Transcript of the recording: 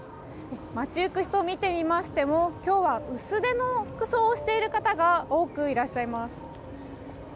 街行く人を見てみましても今日は薄手の服装をしている方が多くいらっしゃいます。